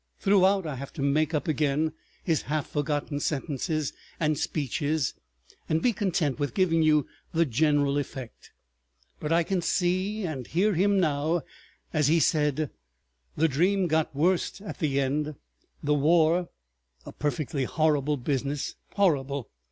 Throughout I have to make up again his half forgotten sentences and speeches, and be content with giving you the general effect. But I can see and hear him now as he said, "The dream got worst at the end. The war—a perfectly horrible business! Horrible!